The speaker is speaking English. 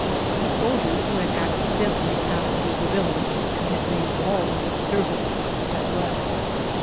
The soldiers, who had accidentally passed through the village, and had made all the disturbance, had left.